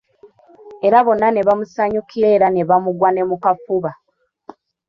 Era bonna ne bamusanyukira era ne bamugwa ne mu kafuba.